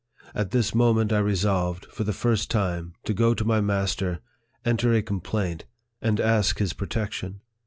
At this moment I resolved, for the first time, to go to my master, enter a complaint, and ask his protection.